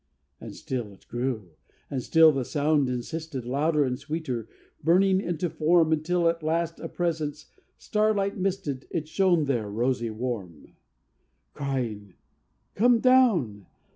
And still it grew; and still the sound insisted, Louder and sweeter, burning into form, Until at last a presence, starlight misted, It shone there rosy warm: Crying, "Come down!